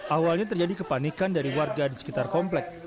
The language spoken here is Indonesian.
awalnya terjadi kepanikan dari warga di sekitar komplek